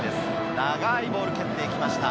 長いボールを蹴っていきました。